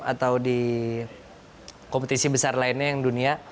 atau di kompetisi besar lainnya yang dunia